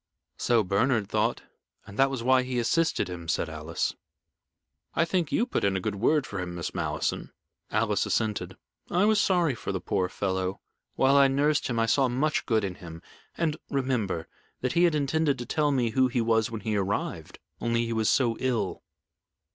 "So Bernard thought, and that was why he assisted him," said Alice. "I think you put in a good word for him, Miss Malleson." Alice assented. "I was sorry for the poor fellow. While I nursed him I saw much good in him. And, remember, that he had intended to tell me who he was when he arrived, only he was so ill."